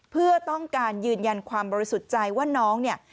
เพื่อต้องการยืนยันความบริสุทธิ์ใจว่าน้องเนี่ย